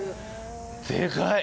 でかい。